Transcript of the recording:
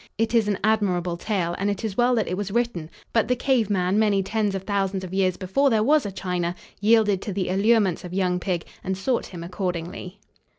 It is an admirable tale and it is well that it was written, but the cave man, many tens of thousands of years before there was a China, yielded to the allurements of young pig, and sought him accordingly.